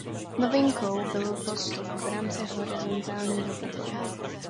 Novinkou byl postup v rámci horizontálního výboru.